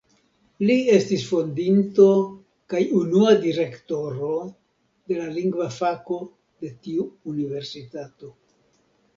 Li estis fondinto kaj unua Direktoro de la Lingva Fako de tiu universitato.